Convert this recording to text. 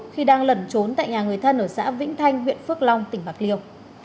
khi đang lẩn trốn tại nhà người thân ở xã vĩnh thanh huyện phước long tỉnh bạc liêu